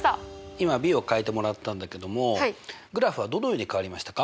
今ｂを変えてもらったんだけどもグラフはどのように変わりましたか？